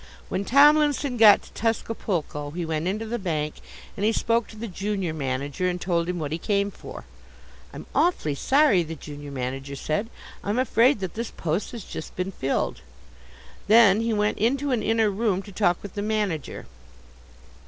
When Tomlinson got to Tuscapulco he went into the bank and he spoke to the junior manager and told him what he came for. "I'm awfully sorry," the junior manager said, "I'm afraid that this post has just been filled." Then he went into an inner room to talk with the manager.